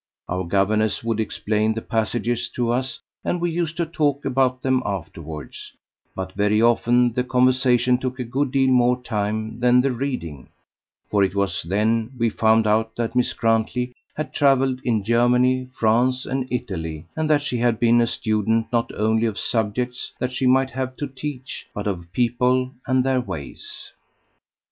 Our governess would explain the passages to us, and we used to talk about them afterwards; but very often the conversation took a good deal more time than the reading, for it was then we found out that Miss Grantley had travelled in Germany, France, and Italy, and that she had been a student not only of subjects that she might have to teach, but of people and their ways.